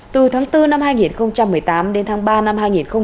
từ tháng bốn năm hai nghìn một mươi tám đến tháng ba năm hai nghìn một mươi chín